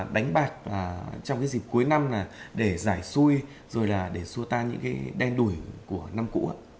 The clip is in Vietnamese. đánh bạc trong dịp cuối năm để giải xui rồi là để xua tan những đen đuổi của năm cũ